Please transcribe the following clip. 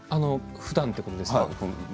ふだんということですか？